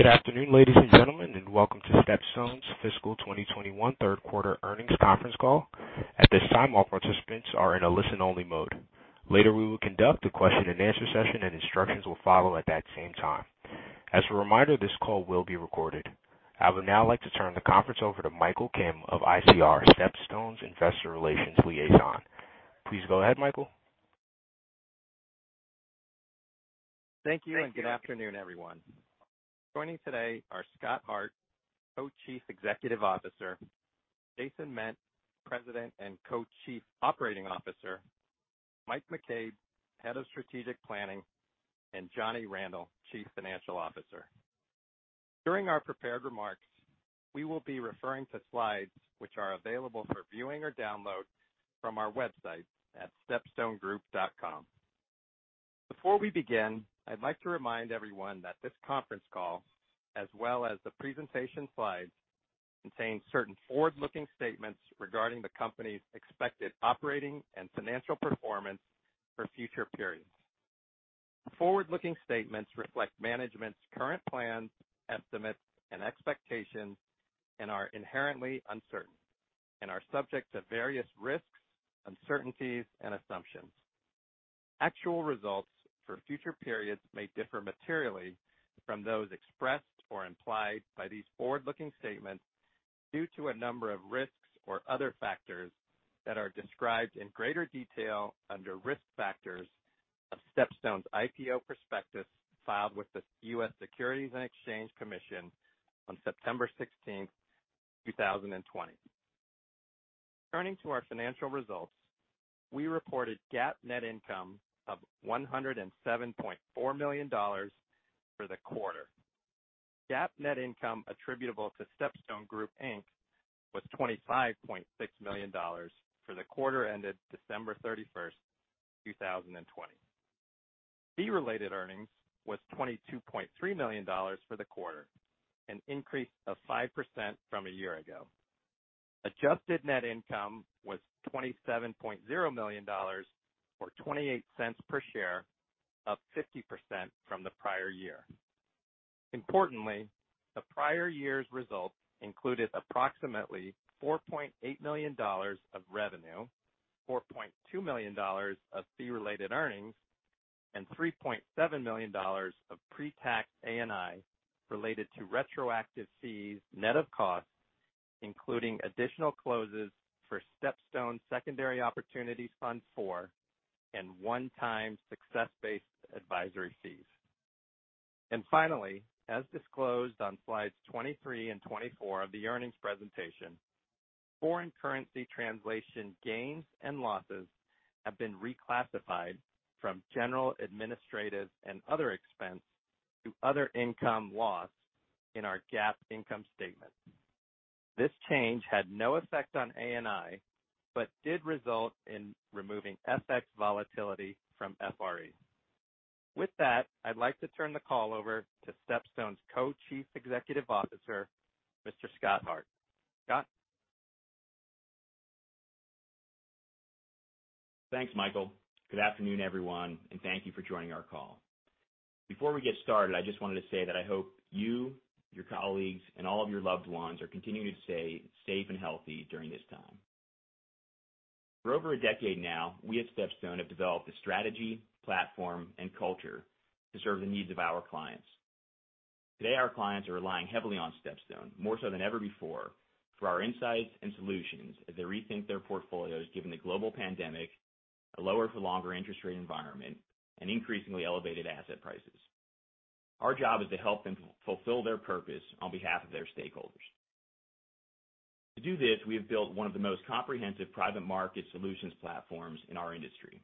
Good afternoon, ladies and gentlemen, and welcome to StepStone's Fiscal 2021 third quarter earnings conference call. At this time, all participants are in a listen-only mode. Later, we will conduct a question-and-answer session, and instructions will follow at that same time. As a reminder, this call will be recorded. I would now like to turn the conference over to Michael Kim of ICR, StepStone's investor relations liaison. Please go ahead, Michael. Thank you, and good afternoon, everyone. Joining today are Scott Hart, Co-Chief Executive Officer, Jason Ment, President and Co-Chief Operating Officer, Mike McCabe, Head of Strategic Planning, and Johnny Randel, Chief Financial Officer. During our prepared remarks, we will be referring to slides which are available for viewing or download from our website at stepstonegroup.com. Before we begin, I'd like to remind everyone that this conference call, as well as the presentation slides, contain certain forward-looking statements regarding the company's expected operating and financial performance for future periods. Forward-looking statements reflect management's current plans, estimates, and expectations, and are inherently uncertain, and are subject to various risks, uncertainties, and assumptions. Actual results for future periods may differ materially from those expressed or implied by these forward-looking statements due to a number of risks or other factors that are described in greater detail under Risk Factors of StepStone's IPO prospectus filed with the U.S. Securities and Exchange Commission on September 16, 2020. Turning to our financial results, we reported GAAP net income of $107.4 million for the quarter. GAAP net income attributable to StepStone Group Inc. was $25.6 million for the quarter ended December 31, 2020. Fee-related earnings was $22.3 million for the quarter, an increase of 5% from a year ago. Adjusted net income was $27.0 million or $0.28 per share, up 50% from the prior year. Importantly, the prior year's results included approximately $4.8 million of revenue, $4.2 million of fee-related earnings, and $3.7 million of pre-tax ANI related to retroactive fees net of cost, including additional closes for StepStone Secondary Opportunities Fund IV and one-time success-based advisory fees. And finally, as disclosed on slides 23 and 24 of the earnings presentation, foreign currency translation gains and losses have been reclassified from general administrative and other expense to other income loss in our GAAP income statement. This change had no effect on ANI but did result in removing FX volatility from FRE. With that, I'd like to turn the call over to StepStone's Co-Chief Executive Officer, Mr. Scott Hart. Scott? Thanks, Michael. Good afternoon, everyone, and thank you for joining our call. Before we get started, I just wanted to say that I hope you, your colleagues, and all of your loved ones are continuing to stay safe and healthy during this time. For over a decade now, we at StepStone have developed a strategy, platform, and culture to serve the needs of our clients. Today, our clients are relying heavily on StepStone, more so than ever before, for our insights and solutions as they rethink their portfolios given the global pandemic, a lower-for-longer interest rate environment, and increasingly elevated asset prices. Our job is to help them fulfill their purpose on behalf of their stakeholders. To do this, we have built one of the most comprehensive private market solutions platforms in our industry.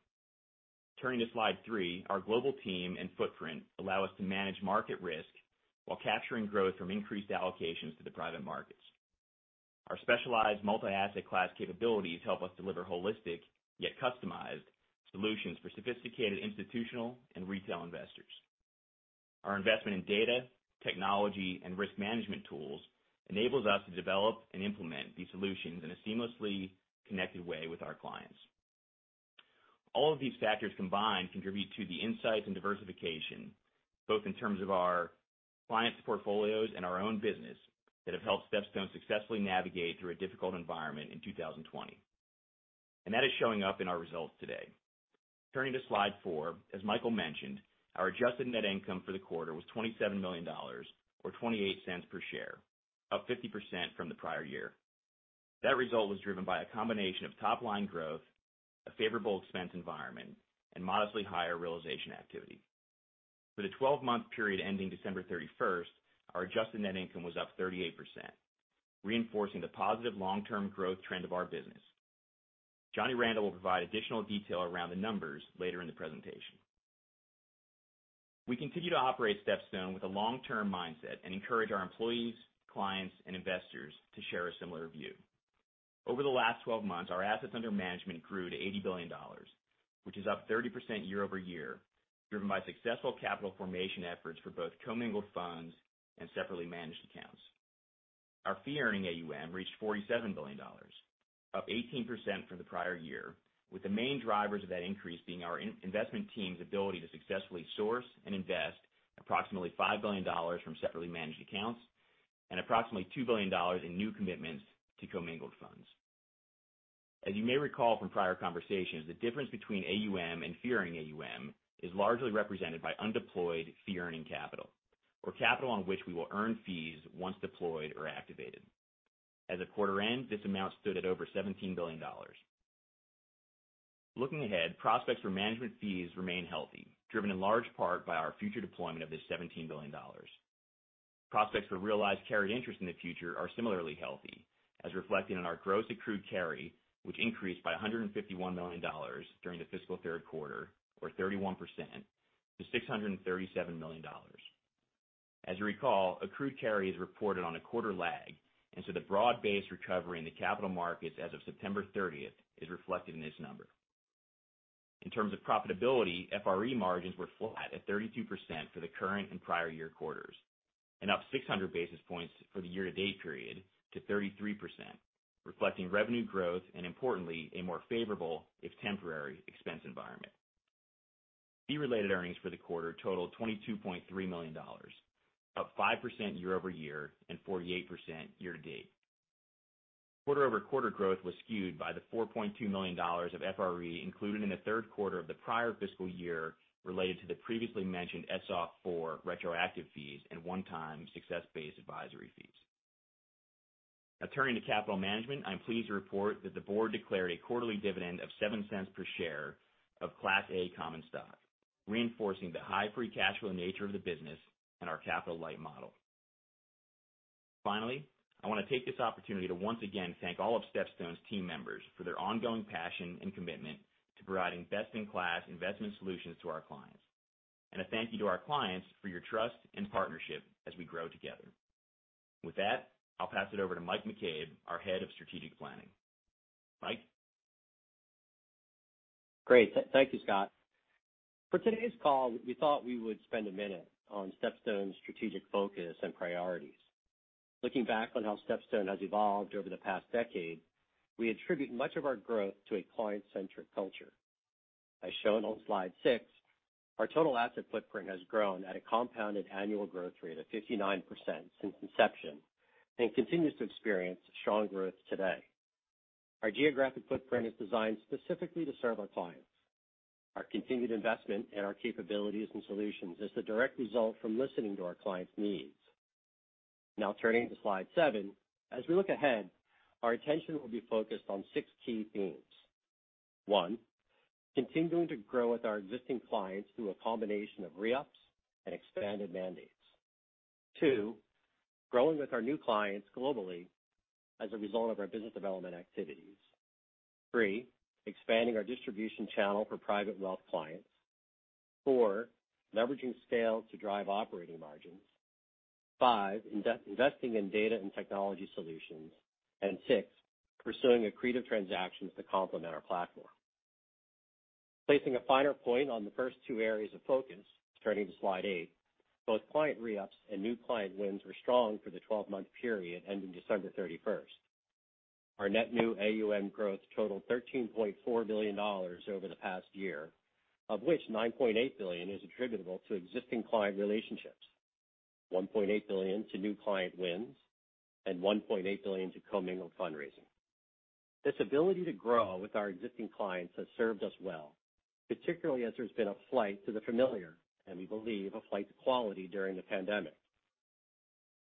Turning to slide three, our global team and footprint allow us to manage market risk while capturing growth from increased allocations to the private markets. Our specialized multi-asset class capabilities help us deliver holistic, yet customized, solutions for sophisticated institutional and retail investors. Our investment in data, technology, and risk management tools enables us to develop and implement these solutions in a seamlessly connected way with our clients. All of these factors combined contribute to the insights and diversification, both in terms of our clients' portfolios and our own business, that have helped StepStone successfully navigate through a difficult environment in 2020, and that is showing up in our results today. Turning to slide four, as Michael mentioned, our Adjusted Net Income for the quarter was $27 million or $0.28 per share, up 50% from the prior year. That result was driven by a combination of top-line growth, a favorable expense environment, and modestly higher realization activity. For the 12-month period ending December 31, our adjusted net income was up 38%, reinforcing the positive long-term growth trend of our business. Johnny Randel will provide additional detail around the numbers later in the presentation. We continue to operate StepStone with a long-term mindset and encourage our employees, clients, and investors to share a similar view. Over the last 12 months, our assets under management grew to $80 billion, which is up 30% year over year, driven by successful capital formation efforts for both commingled funds and separately managed accounts. Our fee-earning AUM reached $47 billion, up 18% from the prior year, with the main drivers of that increase being our investment team's ability to successfully source and invest approximately $5 billion from separately managed accounts and approximately $2 billion in new commitments to commingled funds. As you may recall from prior conversations, the difference between AUM and fee-earning AUM is largely represented by undeployed fee-earning capital, or capital on which we will earn fees once deployed or activated. As of quarter end, this amount stood at over $17 billion. Looking ahead, prospects for management fees remain healthy, driven in large part by our future deployment of this $17 billion. Prospects for realized carry interest in the future are similarly healthy, as reflected in our gross accrued carry, which increased by $151 million during the fiscal third quarter, or 31%, to $637 million. As you recall, accrued carry is reported on a quarter lag, and so the broad-based recovery in the capital markets as of September 30 is reflected in this number. In terms of profitability, FRE margins were flat at 32% for the current and prior year quarters, and up 600 basis points for the year-to-date period to 33%, reflecting revenue growth and, importantly, a more favorable, if temporary, expense environment. Fee-related earnings for the quarter totaled $22.3 million, up 5% year over year and 48% year to date. Quarter-over-quarter growth was skewed by the $4.2 million of FRE included in the third quarter of the prior fiscal year related to the previously mentioned SOF IV retroactive fees and one-time success-based advisory fees. Now, turning to capital management, I'm pleased to report that the board declared a quarterly dividend of $0.07 per share of Class A common stock, reinforcing the high free cash flow nature of the business and our capital-light model. Finally, I want to take this opportunity to once again thank all of StepStone's team members for their ongoing passion and commitment to providing best-in-class investment solutions to our clients, and a thank you to our clients for your trust and partnership as we grow together. With that, I'll pass it over to Mike McCabe, our Head of Strategic Planning. Mike? Great. Thank you, Scott. For today's call, we thought we would spend a minute on StepStone's strategic focus and priorities. Looking back on how StepStone has evolved over the past decade, we attribute much of our growth to a client-centric culture. As shown on slide six, our total asset footprint has grown at a compounded annual growth rate of 59% since inception and continues to experience strong growth today. Our geographic footprint is designed specifically to serve our clients. Our continued investment in our capabilities and solutions is the direct result from listening to our clients' needs. Now, turning to slide seven, as we look ahead, our attention will be focused on six key themes. One, continuing to grow with our existing clients through a combination of re-ups and expanded mandates. Two, growing with our new clients globally as a result of our business development activities. Three, expanding our distribution channel for private wealth clients. Four, leveraging scale to drive operating margins. Five, investing in data and technology solutions. And six, pursuing accretive transactions to complement our platform. Placing a finer point on the first two areas of focus, turning to slide eight, both client re-ups and new client wins were strong for the 12-month period ending December 31. Our net new AUM growth totaled $13.4 billion over the past year, of which $9.8 billion is attributable to existing client relationships, $1.8 billion to new client wins, and $1.8 billion to commingled fundraising. This ability to grow with our existing clients has served us well, particularly as there's been a flight to the familiar, and we believe a flight to quality during the pandemic.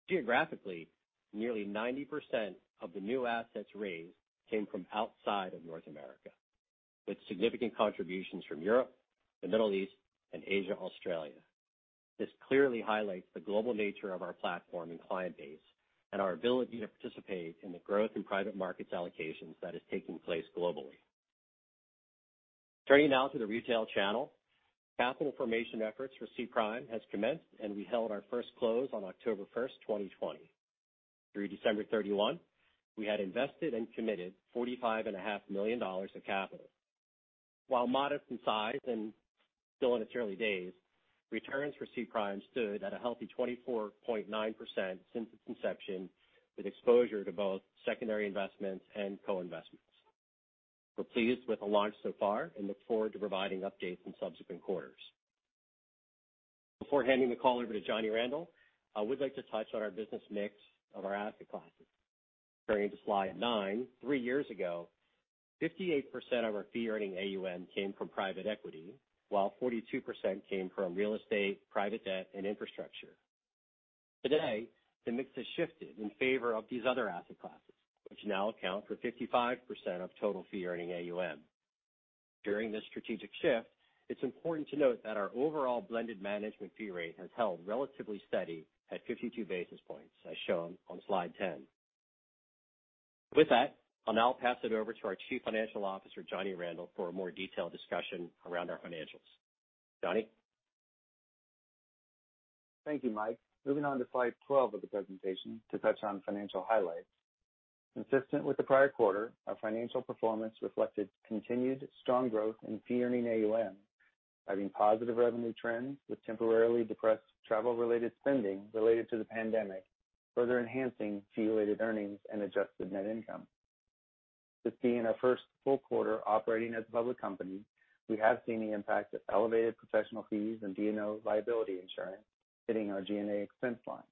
Geographically, nearly 90% of the new assets raised came from outside of North America, with significant contributions from Europe, the Middle East, and Asia-Australia. This clearly highlights the global nature of our platform and client base and our ability to participate in the growth in private markets allocations that is taking place globally. Turning now to the retail channel, capital formation efforts for SPRIM has commenced, and we held our first close on October 1, 2020. Through December 31, we had invested and committed $45.5 million of capital. While modest in size and still in its early days, returns for SPRIM stood at a healthy 24.9% since its inception, with exposure to both secondary investments and co-investments. We're pleased with the launch so far and look forward to providing updates in subsequent quarters. Before handing the call over to Johnny Randel, I would like to touch on our business mix of our asset classes. Turning to slide nine, three years ago, 58% of our fee-earning AUM came from private equity, while 42% came from real estate, private debt, and infrastructure. Today, the mix has shifted in favor of these other asset classes, which now account for 55% of total fee-earning AUM. During this strategic shift, it's important to note that our overall blended management fee rate has held relatively steady at 52 basis points, as shown on slide 10. With that, I'll now pass it over to our Chief Financial Officer, Johnny Randel, for a more detailed discussion around our financials. Johnny? Thank you, Mike. Moving on to slide 12 of the presentation to touch on financial highlights. Consistent with the prior quarter, our financial performance reflected continued strong growth in fee-earning AUM, driving positive revenue trends with temporarily depressed travel-related spending related to the pandemic, further enhancing fee-related earnings and adjusted net income. This being our first full quarter operating as a public company, we have seen the impact of elevated professional fees and D&O liability insurance hitting our G&A expense line.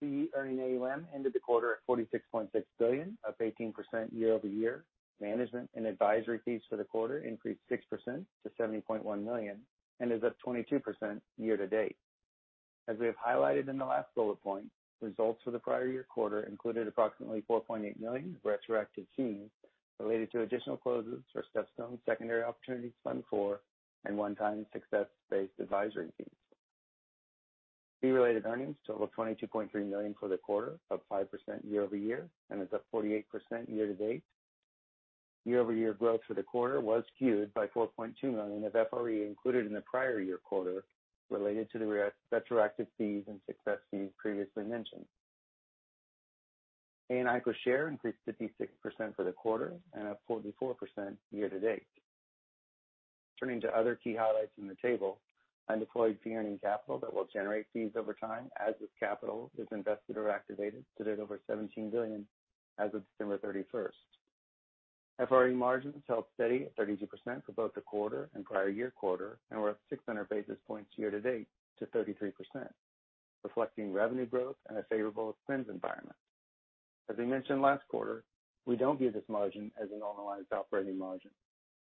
Fee-earning AUM ended the quarter at $46.6 billion, up 18% year over year. Management and advisory fees for the quarter increased 6% to $70.1 million and is up 22% year to date. As we have highlighted in the last bullet point, results for the prior year quarter included approximately $4.8 million of retroactive fees related to additional closes for StepStone Secondary Opportunities Fund IV and one-time success-based advisory fees. Fee-related earnings totaled $22.3 million for the quarter, up 5% year over year and is up 48% year to date. Year-over-year growth for the quarter was skewed by $4.2 million of FRE included in the prior year quarter related to the retroactive fees and success fees previously mentioned. ANI per share increased 56% for the quarter and up 44% year to date. Turning to other key highlights in the table, undeployed fee-earning capital that will generate fees over time, as this capital is invested or activated, stood at over $17 billion as of December 31. FRE margins held steady at 32% for both the quarter and prior year quarter and were up 600 basis points year to date to 33%, reflecting revenue growth and a favorable expense environment. As we mentioned last quarter, we don't view this margin as a normalized operating margin.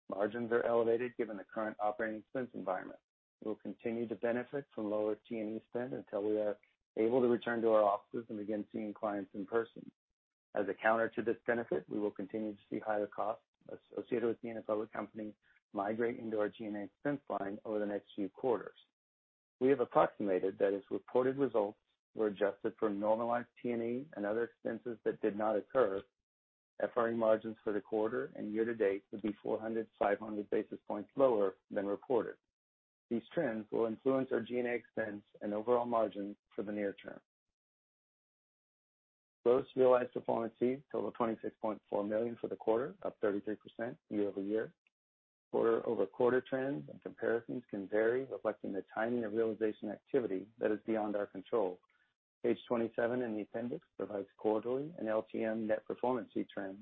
Margins are elevated given the current operating expense environment. We will continue to benefit from lower T&E spend until we are able to return to our offices and begin seeing clients in person. As a counter to this benefit, we will continue to see higher costs associated with being a public company migrate into our G&A expense line over the next few quarters. We have approximated that as reported results were adjusted for normalized T&E and other expenses that did not occur, FRE margins for the quarter and year to date would be 400-500 basis points lower than reported. These trends will influence our G&A expense and overall margins for the near term. Gross realized performance fees totaled $26.4 million for the quarter, up 33% year over year. Quarter-over-quarter trends and comparisons can vary, reflecting the timing of realization activity that is beyond our control. Page 27 in the appendix provides quarterly and LTM net performance fee trends.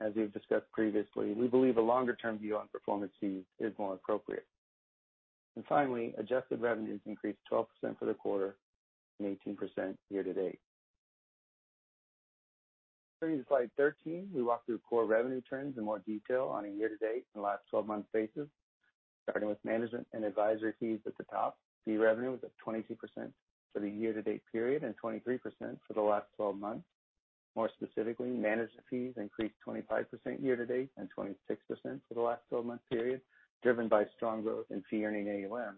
As we've discussed previously, we believe a longer-term view on performance fees is more appropriate. And finally, adjusted revenues increased 12% for the quarter and 18% year to date. Turning to slide 13, we walk through core revenue trends in more detail on a year-to-date and last 12-month basis. Starting with management and advisory fees at the top, fee revenue was up 22% for the year-to-date period and 23% for the last 12 months. More specifically, management fees increased 25% year-to-date and 26% for the last 12-month period, driven by strong growth in fee-earning AUM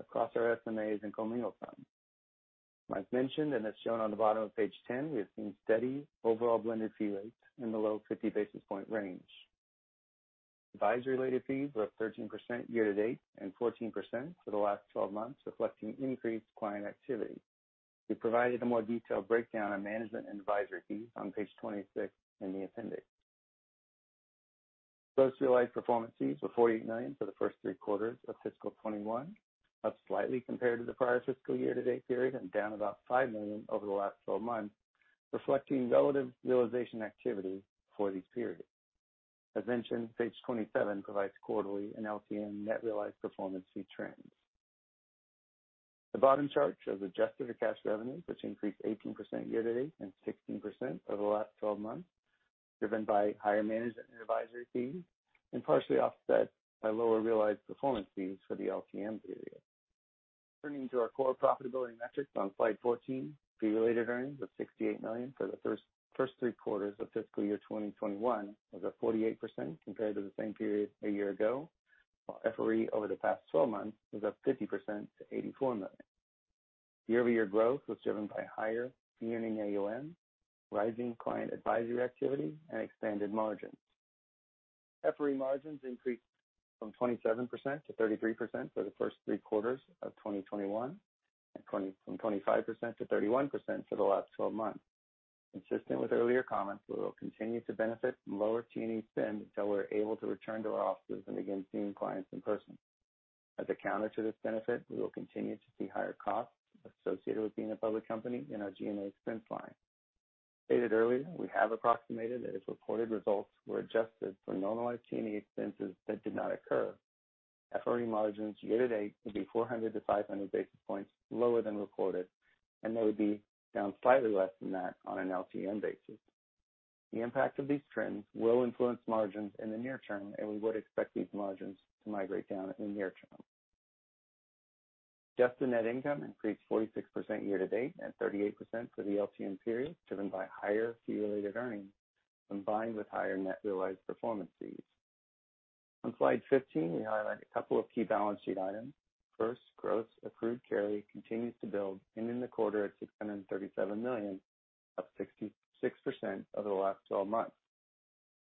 across our SMAs and commingled funds. Mike mentioned, and as shown on the bottom of page 10, we have seen steady overall blended fee rates in the low 50 basis points range. Advisory-related fees were up 13% year-to-date and 14% for the last 12 months, reflecting increased client activity. We provided a more detailed breakdown on management and advisory fees on page 26 in the appendix. Gross realized performance fees were $48 million for the first three quarters of fiscal 2021, up slightly compared to the prior fiscal year-to-date period and down about $5 million over the last 12 months, reflecting relative realization activity for these periods. As mentioned, page 27 provides quarterly and LTM net realized performance fee trends. The bottom chart shows adjusted cash revenues, which increased 18% year-to-date and 16% over the last 12 months, driven by higher management and advisory fees and partially offset by lower realized performance fees for the LTM period. Turning to our core profitability metrics on slide 14, fee-related earnings of $68 million for the first three quarters of fiscal year 2021 was up 48% compared to the same period a year ago, while FRE over the past 12 months was up 50% to $84 million. Year-over-year growth was driven by higher fee-earning AUM, rising client advisory activity, and expanded margins. FRE margins increased from 27% to 33% for the first three quarters of 2021 and from 25% to 31% for the last 12 months, consistent with earlier comments that we will continue to benefit from lower T&E spend until we're able to return to our offices and begin seeing clients in person. As a counter to this benefit, we will continue to see higher costs associated with being a public company in our G&A expense line. Stated earlier, we have approximated that if reported results were adjusted for normalized T&E expenses that did not occur, FRE margins year-to-date would be 400 to 500 basis points lower than reported, and they would be down slightly less than that on an LTM basis. The impact of these trends will influence margins in the near term, and we would expect these margins to migrate down in the near term. Adjusted net income increased 46% year-to-date and 38% for the LTM period, driven by higher fee-related earnings combined with higher net realized performance fees. On slide 15, we highlight a couple of key balance sheet items. First, gross accrued carry continues to build in the quarter at $637 million, up 66% over the last 12 months.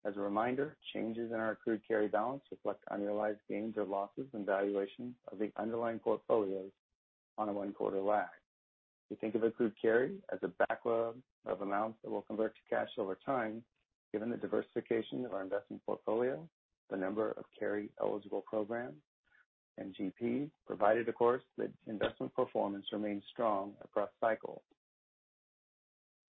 As a reminder, changes in our accrued carry balance reflect unrealized gains or losses in valuation of the underlying portfolios on a one-quarter lag. We think of accrued carry as a backlog of amounts that will convert to cash over time, given the diversification of our investment portfolio, the number of carry-eligible programs, and GPs, provided, of course, that investment performance remains strong across cycles.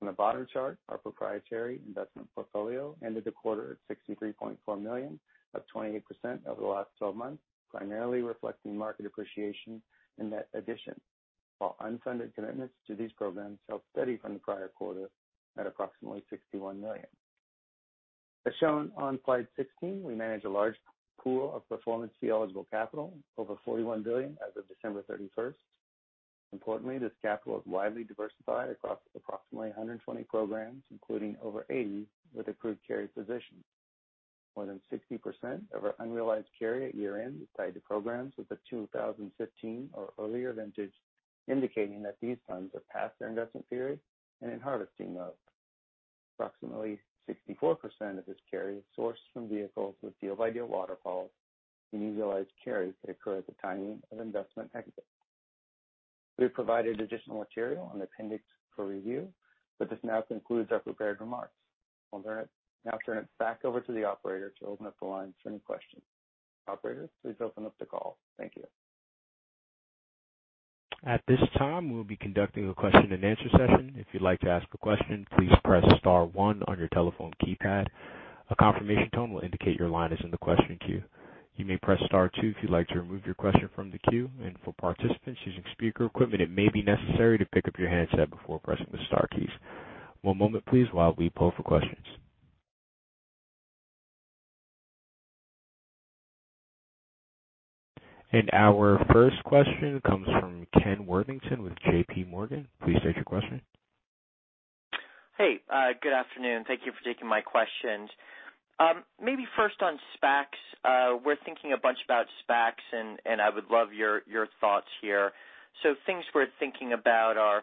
On the bottom chart, our proprietary investment portfolio ended the quarter at $63.4 million, up 28% over the last 12 months, primarily reflecting market appreciation and net additions, while unfunded commitments to these programs held steady from the prior quarter at approximately $61 million. As shown on slide 16, we manage a large pool of performance fee-eligible capital, over $41 billion as of December 31. Importantly, this capital is widely diversified across approximately 120 programs, including over 80 with accrued carry positions. More than 60% of our unrealized carry at year-end is tied to programs with a 2015 or earlier vintage, indicating that these funds have passed their investment period and in harvesting mode. Approximately 64% of this carry is sourced from vehicles with deal-by-deal waterfalls, and realized carry could occur at the timing of investment exit. We have provided additional material in the appendix for review, but this now concludes our prepared remarks. I'll now turn it back over to the operator to open up the line for any questions. Operator, please open up the call. Thank you. At this time, we'll be conducting a question-and-answer session. If you'd like to ask a question, please press Star 1 on your telephone keypad. A confirmation tone will indicate your line is in the question queue. You may press Star 2 if you'd like to remove your question from the queue. And for participants using speaker equipment, it may be necessary to pick up your handset before pressing the Star keys. One moment, please, while we pull for questions. And our first question comes from Ken Worthington with J.P. Morgan. Please state your question. Hey, good afternoon. Thank you for taking my questions. Maybe first on SPACs. We're thinking a bunch about SPACs, and I would love your thoughts here. So things we're thinking about are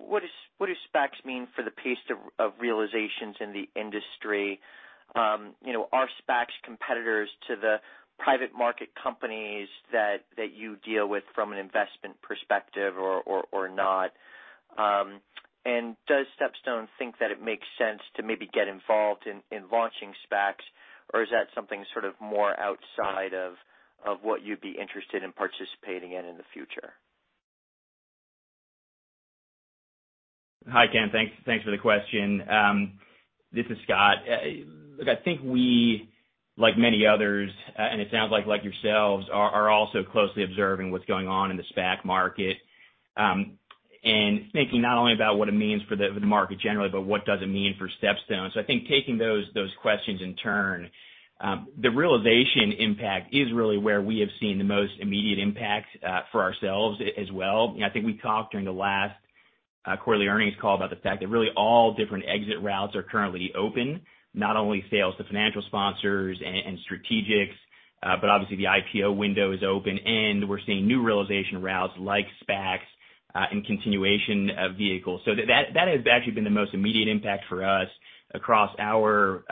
what do SPACs mean for the pace of realizations in the industry? Are SPACs competitors to the private market companies that you deal with from an investment perspective or not? And does StepStone think that it makes sense to maybe get involved in launching SPACs, or is that something sort of more outside of what you'd be interested in participating in in the future? Hi, Ken. Thanks for the question. This is Scott. Look, I think we, like many others, and it sounds like yourselves, are also closely observing what's going on in the SPAC market and thinking not only about what it means for the market generally, but what does it mean for StepStone, so I think taking those questions in turn, the realization impact is really where we have seen the most immediate impact for ourselves as well. I think we talked during the last quarterly earnings call about the fact that really all different exit routes are currently open, not only sales to financial sponsors and strategics, but obviously the IPO window is open, and we're seeing new realization routes like SPACs and continuation of vehicles. So that has actually been the most immediate impact for us across our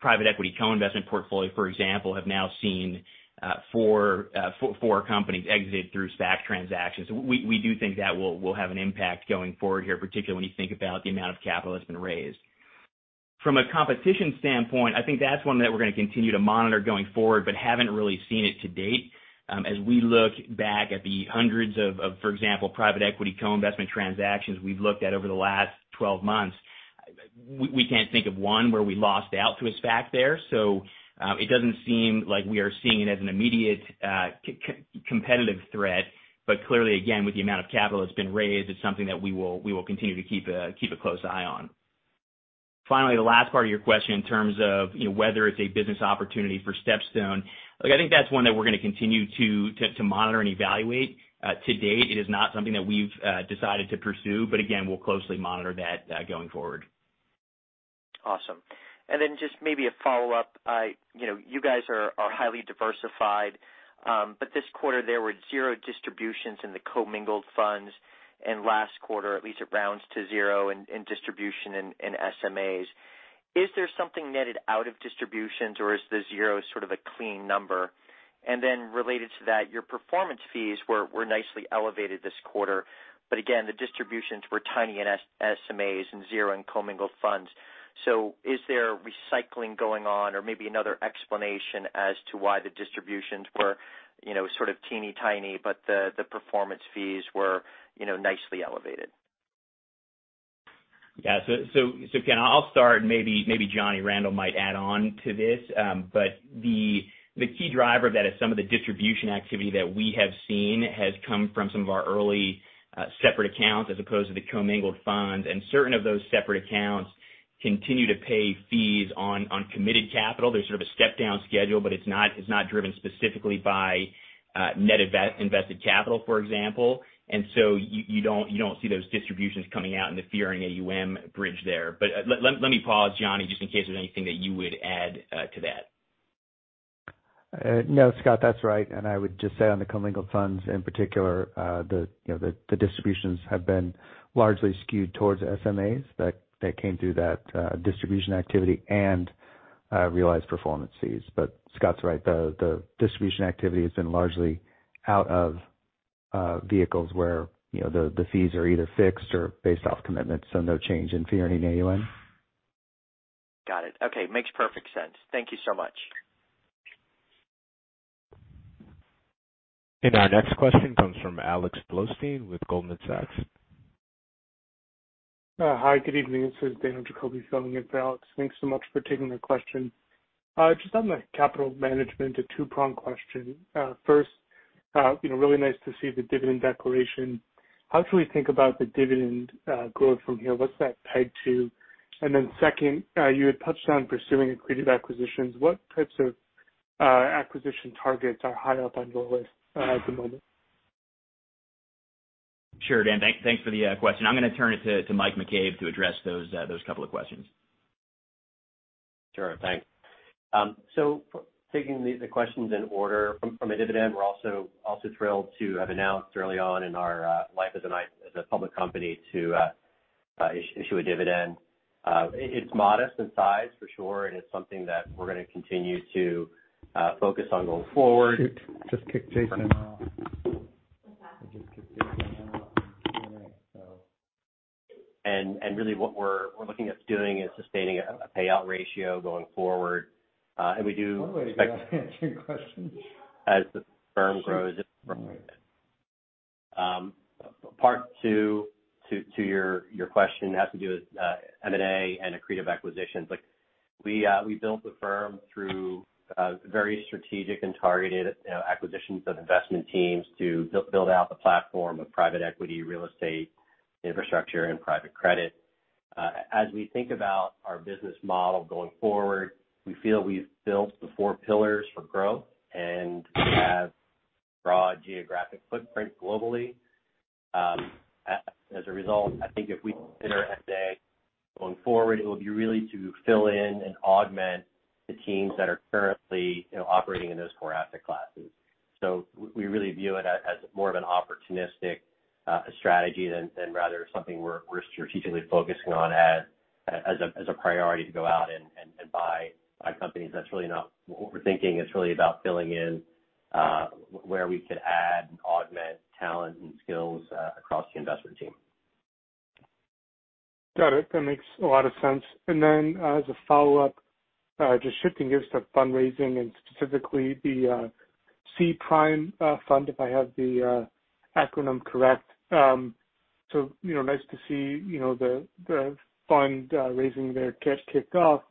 private equity co-investment portfolio, for example, have now seen four companies exited through SPAC transactions. So we do think that will have an impact going forward here, particularly when you think about the amount of capital that's been raised. From a competition standpoint, I think that's one that we're going to continue to monitor going forward, but haven't really seen it to date. As we look back at the hundreds of, for example, private equity co-investment transactions we've looked at over the last 12 months, we can't think of one where we lost out to a SPAC there. So it doesn't seem like we are seeing it as an immediate competitive threat, but clearly, again, with the amount of capital that's been raised, it's something that we will continue to keep a close eye on. Finally, the last part of your question in terms of whether it's a business opportunity for StepStone, look, I think that's one that we're going to continue to monitor and evaluate to date. It is not something that we've decided to pursue, but again, we'll closely monitor that going forward. Awesome. And then just maybe a follow-up. You guys are highly diversified, but this quarter there were zero distributions in the commingled funds, and last quarter, at least it rounds to zero in distributions in SMAs. Is there something netted out of distributions, or is the zero sort of a clean number? And then related to that, your performance fees were nicely elevated this quarter, but again, the distributions were tiny in SMAs and zero in commingled funds. So is there recycling going on, or maybe another explanation as to why the distributions were sort of teeny-tiny, but the performance fees were nicely elevated? Yeah. So Ken, I'll start, and maybe Johnny Randel might add on to this, but the key driver of that is some of the distribution activity that we have seen has come from some of our early separate accounts as opposed to the commingled funds. And certain of those separate accounts continue to pay fees on committed capital. There's sort of a step-down schedule, but it's not driven specifically by net invested capital, for example. And so you don't see those distributions coming out in the fee-earning AUM bridge there. But let me pause, Johnny, just in case there's anything that you would add to that. No, Scott, that's right. And I would just say on the commingled funds in particular, the distributions have been largely skewed towards SMAs that came through that distribution activity and realized performance fees. But Scott's right. The distribution activity has been largely out of vehicles where the fees are either fixed or based off commitments, so no change in fee-earning AUM. Got it. Okay. Makes perfect sense. Thank you so much. Our next question comes from Alex Blostein with Goldman Sachs. Hi, good evening. This is Daniel Jacobi, calling in for Alex. Thanks so much for taking the question. Just on the capital management, a two-pronged question. First, really nice to see the dividend declaration. How should we think about the dividend growth from here? What's that tied to? And then second, you had touched on pursuing accretive acquisitions. What types of acquisition targets are high up on your list at the moment? Sure, Dan. Thanks for the question. I'm going to turn it to Mike McCabe to address those couple of questions. Sure. Thanks. So taking the questions in order from a dividend, we're also thrilled to have announced early on in our life as a public company to issue a dividend. It's modest in size, for sure, and it's something that we're going to continue to focus on going forward. Shoot. Just kick Jason out. Just kick Jason out of the Q&A, so. Really what we're looking at doing is sustaining a payout ratio going forward. We do. One way to answer your question. As the firm grows. Part two to your question has to do with M&A and accretive acquisitions. We built the firm through very strategic and targeted acquisitions of investment teams to build out the platform of private equity, real estate, infrastructure, and private credit. As we think about our business model going forward, we feel we've built the four pillars for growth and have broad geographic footprint globally. As a result, I think if we consider M&A going forward, it will be really to fill in and augment the teams that are currently operating in those four asset classes. So we really view it as more of an opportunistic strategy than rather something we're strategically focusing on as a priority to go out and buy companies. That's really not what we're thinking. It's really about filling in where we could add and augment talent and skills across the investment team. Got it. That makes a lot of sense. And then as a follow-up, just shifting gears to fundraising and specifically the SPRIM fund, if I have the acronym correct. So nice to see the fundraising there kicked off.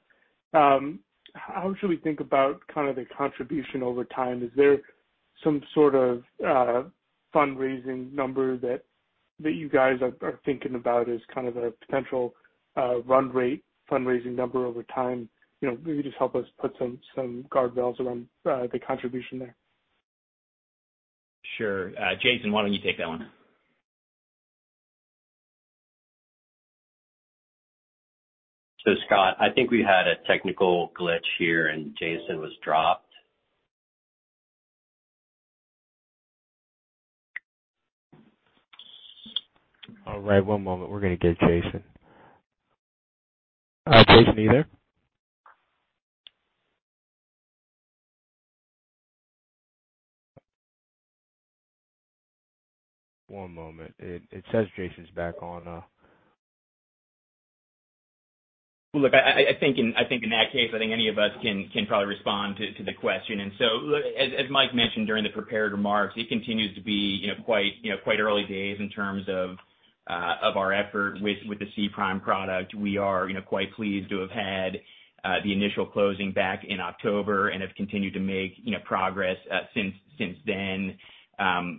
How should we think about kind of the contribution over time? Is there some sort of fundraising number that you guys are thinking about as kind of a potential run rate fundraising number over time? Maybe just help us put some guardrails around the contribution there. Sure. Jason, why don't you take that one? So Scott, I think we had a technical glitch here, and Jason was dropped. All right. One moment. We're going to get Jason. Jason, are you there? One moment. It says Jason's back on. Well, look, I think in that case, I think any of us can probably respond to the question. And so look, as Mike mentioned during the prepared remarks, it continues to be quite early days in terms of our effort with the SPRIM product. We are quite pleased to have had the initial closing back in October and have continued to make progress since then.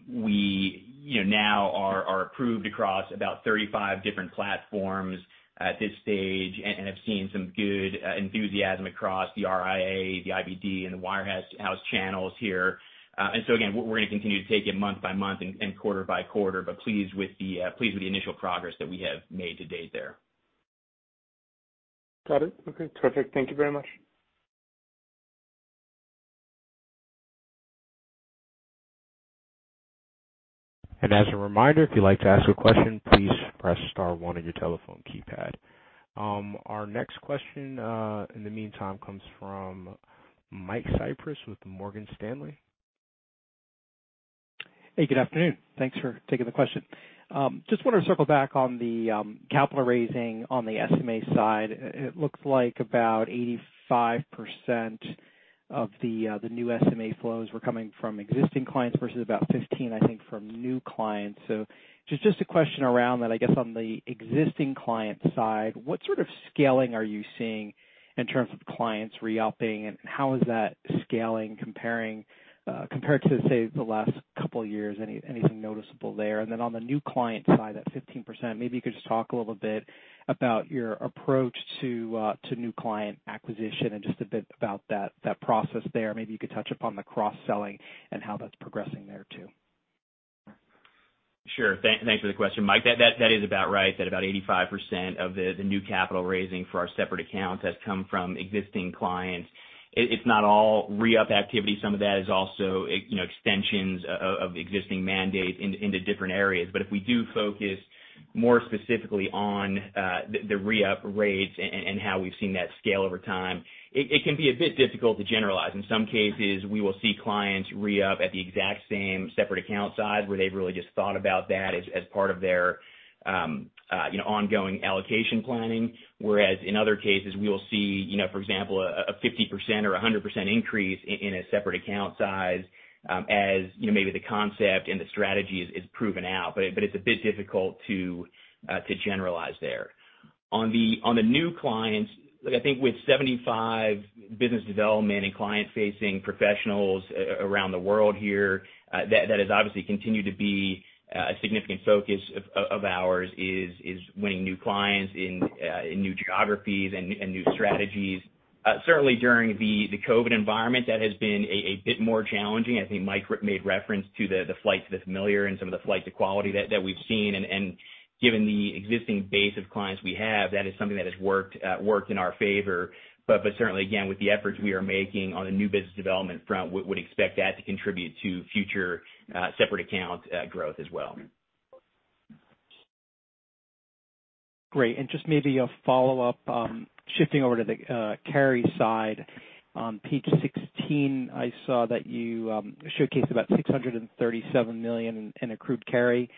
We now are approved across about 35 different platforms at this stage and have seen some good enthusiasm across the RIA, the IBD, and the wirehouse channels here. And so again, we're going to continue to take it month by month and quarter by quarter, but pleased with the initial progress that we have made to date there. Got it. Okay. Perfect. Thank you very much. As a reminder, if you'd like to ask a question, please press Star 1 on your telephone keypad. Our next question in the meantime comes from Mike Cyprys with Morgan Stanley. Hey, good afternoon. Thanks for taking the question. Just wanted to circle back on the capital raising on the SMA side. It looks like about 85% of the new SMA flows were coming from existing clients versus about 15%, I think, from new clients. So just a question around that. I guess on the existing client side, what sort of scaling are you seeing in terms of clients re-upping, and how is that scaling compared to, say, the last couple of years? Anything noticeable there? And then on the new client side, that 15%, maybe you could just talk a little bit about your approach to new client acquisition and just a bit about that process there. Maybe you could touch upon the cross-selling and how that's progressing there too. Sure. Thanks for the question, Mike. That is about right, that about 85% of the new capital raising for our separate accounts has come from existing clients. It's not all re-up activity. Some of that is also extensions of existing mandates into different areas. But if we do focus more specifically on the re-up rates and how we've seen that scale over time, it can be a bit difficult to generalize. In some cases, we will see clients re-up at the exact same separate account size where they've really just thought about that as part of their ongoing allocation planning, whereas in other cases, we will see, for example, a 50% or 100% increase in a separate account size as maybe the concept and the strategy is proven out. But it's a bit difficult to generalize there. On the new clients, look, I think with 75 business development and client-facing professionals around the world here, that has obviously continued to be a significant focus of ours is winning new clients in new geographies and new strategies. Certainly, during the COVID environment, that has been a bit more challenging. I think Mike made reference to the flight to the familiar and some of the flight to quality that we've seen. And given the existing base of clients we have, that is something that has worked in our favor. But certainly, again, with the efforts we are making on the new business development front, we would expect that to contribute to future separate account growth as well. Great. And just maybe a follow-up, shifting over to the carry side. On page 16, I saw that you showcased about $637 million in accrued carry.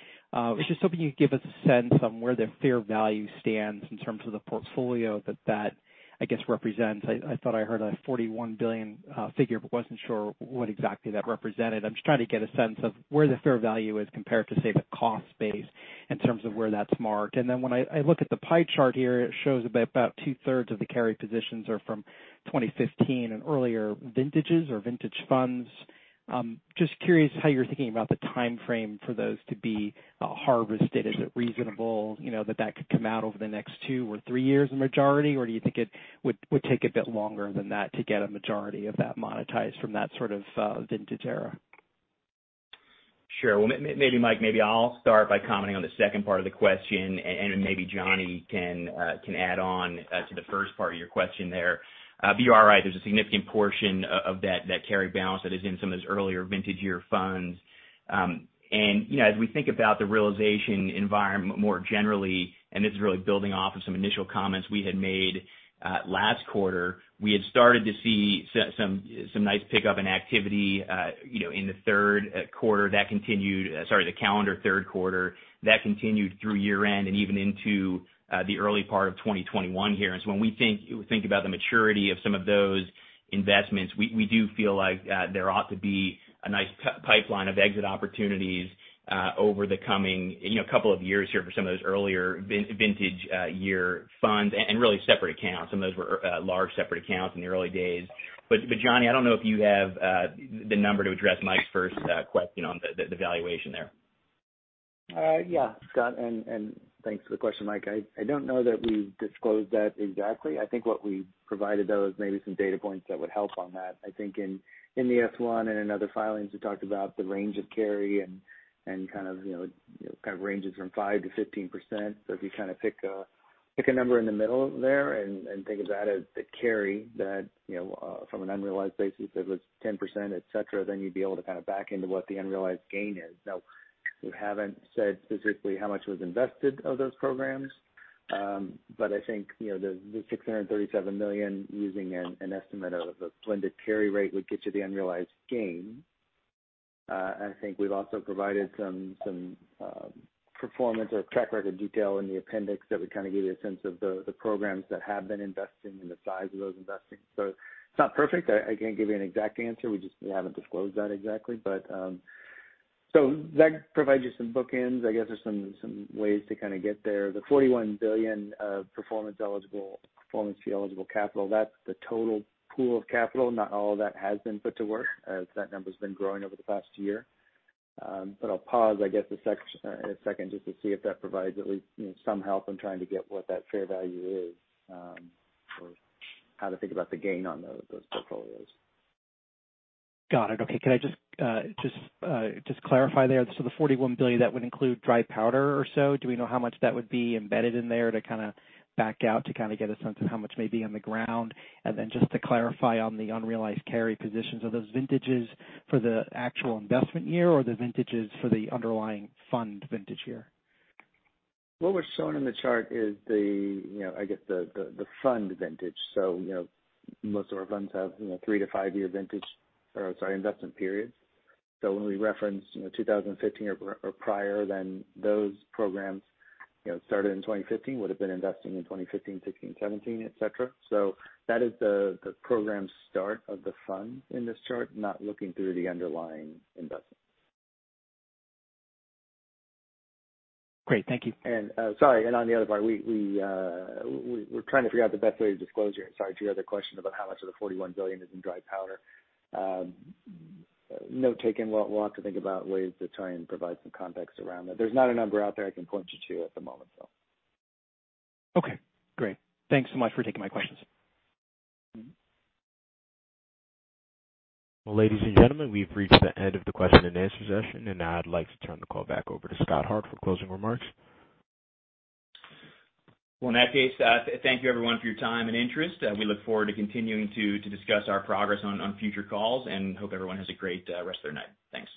Just hoping you could give us a sense on where the fair value stands in terms of the portfolio that that, I guess, represents. I thought I heard a $41 billion figure, but wasn't sure what exactly that represented. I'm just trying to get a sense of where the fair value is compared to, say, the cost base in terms of where that's marked. And then when I look at the pie chart here, it shows about two-thirds of the carry positions are from 2015 and earlier vintages or vintage funds. Just curious how you're thinking about the timeframe for those to be harvested. Is it reasonable that that could come out over the next two or three years in the majority, or do you think it would take a bit longer than that to get a majority of that monetized from that sort of vintage era? Sure. Well, maybe, Mike, maybe I'll start by commenting on the second part of the question, and maybe Johnny can add on to the first part of your question there. But you're right. There's a significant portion of that carry balance that is in some of those earlier vintage year funds. And as we think about the realization environment more generally, and this is really building off of some initial comments we had made last quarter, we had started to see some nice pickup in activity in the third quarter. Sorry, the calendar third quarter. That continued through year-end and even into the early part of 2021 here. And so when we think about the maturity of some of those investments, we do feel like there ought to be a nice pipeline of exit opportunities over the coming couple of years here for some of those earlier vintage year funds and really separate accounts. Some of those were large separate accounts in the early days. But Johnny, I don't know if you have the number to address Mike's first question on the valuation there. Yeah, Scott, and thanks for the question, Mike. I don't know that we've disclosed that exactly. I think what we provided, though, is maybe some data points that would help on that. I think in the S1 and in other filings, we talked about the range of carry and kind of ranges from 5%-15%. So if you kind of pick a number in the middle there and think of that as the carry that from an unrealized basis that was 10%, etc., then you'd be able to kind of back into what the unrealized gain is. Now, we haven't said specifically how much was invested of those programs, but I think the $637 million, using an estimate of the blended carry rate, would get you the unrealized gain. I think we've also provided some performance or track record detail in the appendix that would kind of give you a sense of the programs that have been investing and the size of those investments. So it's not perfect. I can't give you an exact answer. We just haven't disclosed that exactly. So that provides you some bookends, I guess, or some ways to kind of get there. The $41 billion of performance fee eligible capital, that's the total pool of capital. Not all of that has been put to work as that number has been growing over the past year. But I'll pause, I guess, a second just to see if that provides at least some help in trying to get what that fair value is or how to think about the gain on those portfolios. Got it. Okay. Can I just clarify there? So the $41 billion, that would include dry powder or so. Do we know how much that would be embedded in there to kind of back out to kind of get a sense of how much may be on the ground? And then just to clarify on the unrealized carry positions, are those vintages for the actual investment year or the vintages for the underlying fund vintage year? What we're showing in the chart is the, I guess, fund vintage. So most of our funds have three- to five-year vintage or, sorry, investment periods. So when we reference 2015 or prior, then those programs started in 2015 would have been investing in 2015, 2016, 2017, etc. So that is the program start of the fund in this chart, not looking through the underlying investments. Great. Thank you. And sorry. And on the other part, we're trying to figure out the best way to disclose your, sorry, to your other question about how much of the $41 billion is in dry powder. Note taken. We'll have to think about ways to try and provide some context around that. There's not a number out there I can point you to at the moment, though. Okay. Great. Thanks so much for taking my questions. Ladies and gentlemen, we've reached the end of the question and answer session, and I'd like to turn the call back over to Scott Hart for closing remarks. In that case, thank you, everyone, for your time and interest. We look forward to continuing to discuss our progress on future calls and hope everyone has a great rest of their night. Thanks.